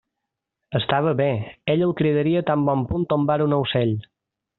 Estava bé; ell el cridaria tan bon punt tombara un ocell.